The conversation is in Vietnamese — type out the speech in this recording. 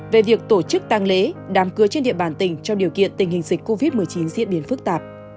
về việc tổ chức tăng lễ đám cưới trên địa bàn tỉnh trong điều kiện tình hình dịch covid một mươi chín diễn biến phức tạp